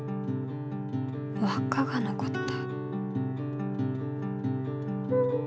わっかが残った。